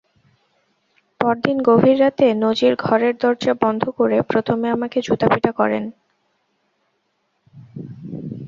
পরদিন গভীর রাতে নজির ঘরের দরজা বন্ধ করে প্রথমে আমাকে জুতাপেটা করেন।